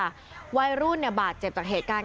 วัยรุ่นบาดเจ็บจากเหตุการณ์ครั้งนี้๔คน๒ใน๔บาดเจ็บเพราะถูกยิง